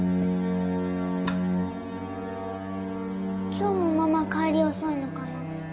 今日もママ帰り遅いのかな？